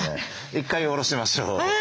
１回下ろしましょうね。